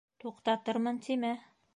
Туҡтатырмын тимә.